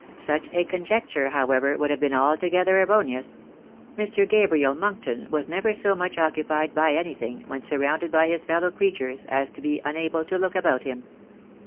Such a conjecture, however, would have been altogether erroneous ; Mr. Gabriel Monkton was never so much occupied by anything, when surrounded by his fellow creatures, as to be unable to look about him.